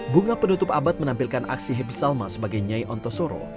bunga penutup abad menampilkan aksi hebi salma sebagai nyai ontosoro